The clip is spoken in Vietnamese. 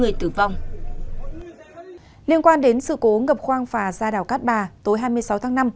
liên quan đến sự cố ngập khoang phà ra đảo cát bà tối hai mươi sáu tháng năm